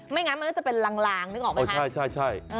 งั้นมันก็จะเป็นลางนึกออกไหมใช่